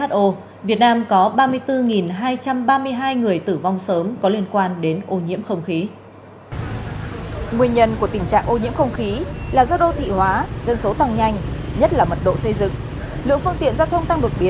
tại việt nam mặc dù tình trạng ô nhiễm không khí tăng cao trong một vài tháng gần đây